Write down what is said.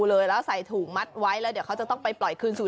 เลยแล้วใส่ถุงมัดไว้แล้วเดี๋ยวเขาจะต้องไปปล่อยคืนสู่